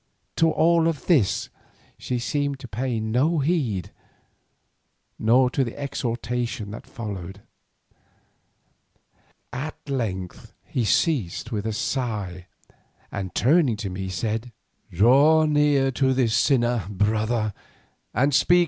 " To all of this she seemed to pay no heed, nor to the exhortation that followed. At length he ceased with a sigh, and turning to me said: "Draw near to this sinner, brother, and speak with her before it is too late."